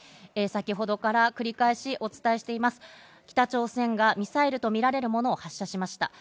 先ほどから繰り返しお伝えしています、北朝鮮がミサイルとみられるものを発射しました。